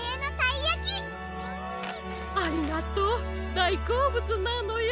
だいこうぶつなのよ。